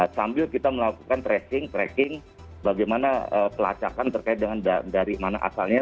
sambil kita melakukan tracing tracking bagaimana pelacakan terkait dengan dari mana asalnya